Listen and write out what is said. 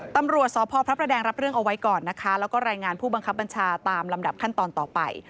ตำรวจสพพระประแดงรับเรื่องเอาไว้ก่อนนะคะแล้วก็รายงานผู้บังคับบัญชาตามลำดับขั้นตอนต่อไป